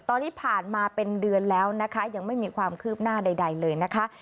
ตอนนี้ผ่านมาเป็นเดือนแล้วนะคะยังไม่มีความคืบหน้าใดเลยนะคะ